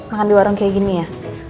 makan di warung kayak gini ya